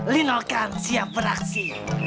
lino kan siap beraksi